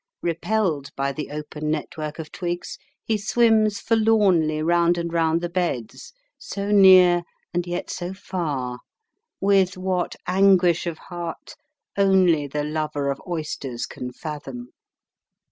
Repelled by the open network of twigs, he swims forlornly round and round the beds, so near and yet so far, with what anguish of heart only the lover of oysters can fathom.